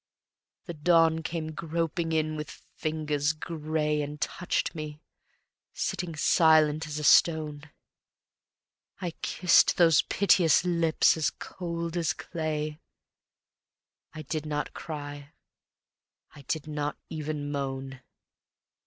... The dawn came groping in with fingers gray And touched me, sitting silent as a stone; I kissed those piteous lips, as cold as clay I did not cry, I did not even moan.